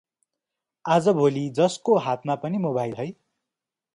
अाजभोलि जसको हातमा पनि मोबाइल है?